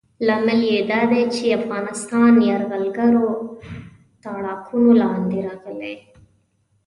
لامل یې دا دی چې افغانستان یرغلګرو تاړاکونو لاندې راغلی.